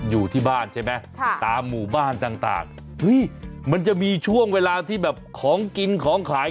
อยู่ที่บ้านใช่ไหมตามหมู่บ้านต่างมันจะมีช่วงเวลาที่แบบของกินของขาย